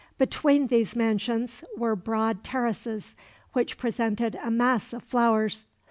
Between these mansions were broad terraces, which presented a mass of flowers.